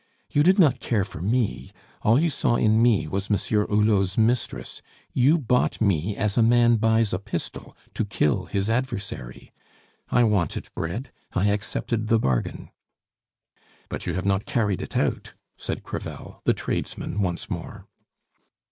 You did not care for me; all you saw in me was Monsieur Hulot's mistress. You bought me as a man buys a pistol to kill his adversary. I wanted bread I accepted the bargain." "But you have not carried it out," said Crevel, the tradesman once more.